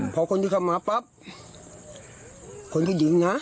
พอคนนี้เข้ามาปั๊บคนนี้ดิงนะ